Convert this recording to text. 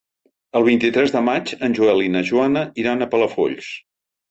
El vint-i-tres de maig en Joel i na Joana iran a Palafolls.